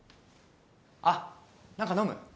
あっなんか飲む？